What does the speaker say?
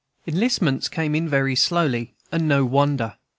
Enlistments came in very slowly, and no wonder.